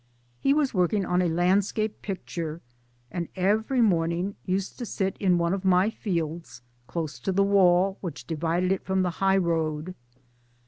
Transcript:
He was working on a landscape picture, and every morningi used to sit in one of my fields and close to the wall 1 which divided it from the high road.